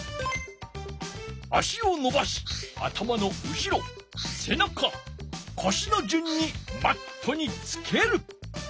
足をのばし頭の後ろせなかこしのじゅんにマットにつける。